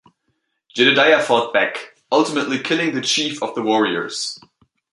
Jedediah fought back, ultimately killing the chief of the warriors.